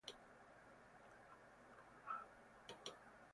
A partir de entonces Fleming comenzó a entrenarse con John Nicks.